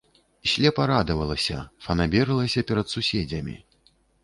Слепа радавалася, фанабэрылася перад суседзямі.